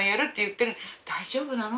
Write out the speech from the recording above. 大丈夫なの？